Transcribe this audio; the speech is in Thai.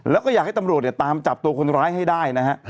แล้วก็อยากให้ตำรวจเนี่ยตามจับตัวคนร้ายให้ได้นะฮะ